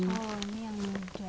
oh ini yang muda